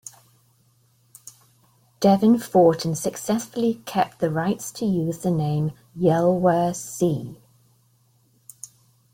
Devin fought and successfully kept the rights to use the name "yelworC".